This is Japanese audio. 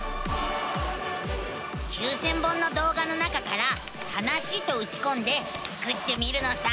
９，０００本の動画の中から「はなし」とうちこんでスクってみるのさ。